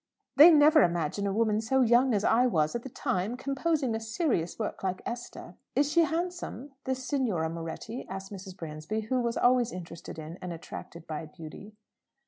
They never imagine a woman so young as I was at the time composing a serious work like 'Esther.'" "Is she handsome, this Signora Moretti?" asked Mrs. Bransby, who was always interested in, and attracted by, beauty.